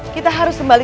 kita harus kembali